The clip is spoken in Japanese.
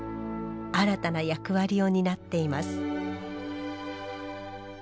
新たな役割を担っています